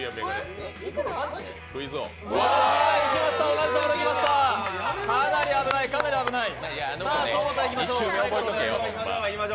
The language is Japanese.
同じところにいきました、かなり危ない。